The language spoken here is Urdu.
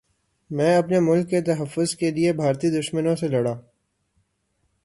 میں اپنے ملک کے تحفظ کے لیے بھارتی دشمنوں سے لڑا